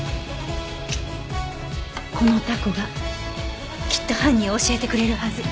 このタコがきっと犯人を教えてくれるはず。